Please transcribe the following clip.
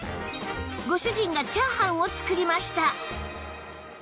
ご主人がチャーハンを作りました